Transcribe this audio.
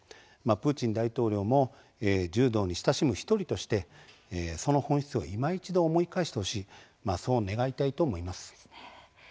プーチン大統領も柔道に親しむ１人として、その本質をいま一度、思い返してほしいそう願いたいと思います。